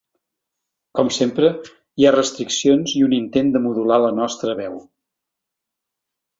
Com sempre, hi ha restriccions i un intent de modular la nostra veu.